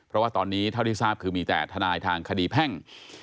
เพราะว่าตอนนี้เท่าที่ทราบคือมีแต่ทนายทางคดีแพ่ง